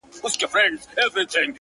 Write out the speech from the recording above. o ژوند پکي اور دی، آتشستان دی،